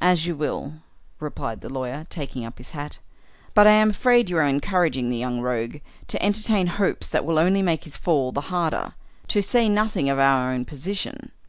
"As you will," replied the lawyer, taking up his hat, "but I am afraid you are encouraging the young rogue to entertain hopes that will only make his fall the harder to say nothing of our own position.